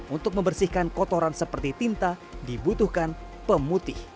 untuk membersihkan kotoran seperti tinta dibutuhkan pemutih